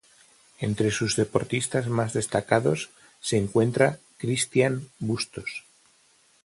Entre sus deportistas más destacados se encuentra Cristián Bustos.